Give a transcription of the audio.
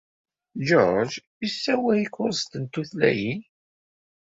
Jorge yessawal kuẓet n tutlayin.